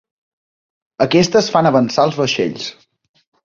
Aquestes fan avançar els vaixells.